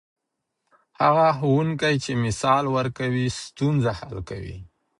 هغه ښوونکی چې مثال ورکوي، ستونزه حل کوي.